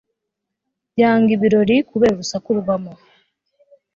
Yanga ibirori kubera urusaku rubamo